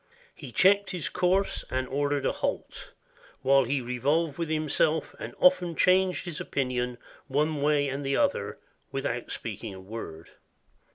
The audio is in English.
He checked his course, and or dered a halt, while he revolved with himself, and often changed his opinion one way and the other, without speaking a word.